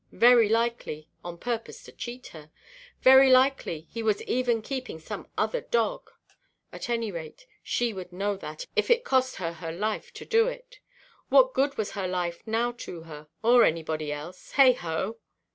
Very likely, on purpose to cheat her. Very likely he was even keeping some other dog. At any rate, she would know that, if it cost her her life to do it. What good was her life now to her, or anybody else? Heigho!